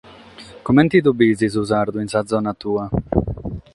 Comente lu bides su sardu in sa zona tua?